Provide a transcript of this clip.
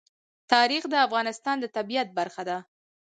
تاریخ د افغانستان د طبیعت برخه ده.